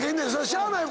しゃあない。